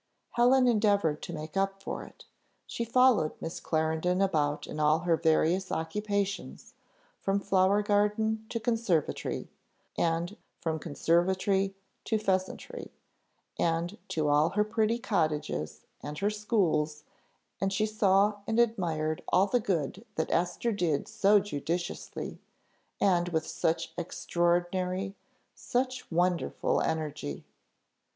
Helen endeavoured to make up for it; she followed Miss Clarendon about in all her various occupations, from flower garden to conservatory, and from conservatory to pheasantry, and to all her pretty cottages, and her schools, and she saw and admired all the good that Esther did so judiciously, and with such extraordinary, such wonderful energy.